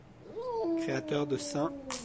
Créateur de St.